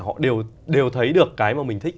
họ đều thấy được cái mà mình thích